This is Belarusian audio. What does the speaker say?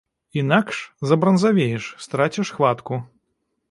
Інакш забранзавееш, страціш хватку.